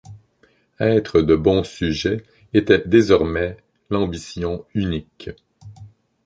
Être de bons sujets était désormais l’ambition unique.